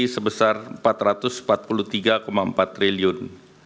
sebesar rp empat ratus empat puluh tiga empat triliun